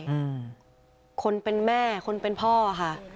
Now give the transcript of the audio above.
เหมือนหลังใหญ่คนเป็นพ่อค่ะ